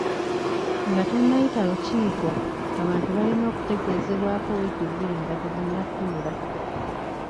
Nga tonnayita lukiiko, abantu balina okutegeezebwako wiiki bbiri nga terunnabaawo.